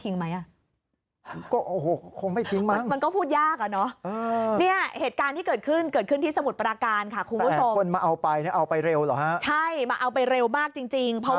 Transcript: นี่ถ้าเกิดว่าคุณสูบสมกลิ่น